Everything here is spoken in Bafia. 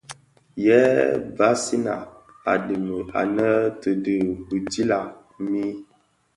Yë vansina a dhemi annë tii dhi bitilag mii,